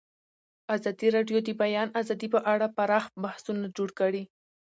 ازادي راډیو د د بیان آزادي په اړه پراخ بحثونه جوړ کړي.